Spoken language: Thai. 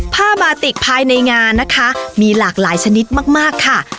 ผ้าบาติกภายในงานนะคะมีหลากหลายชนิดมากค่ะ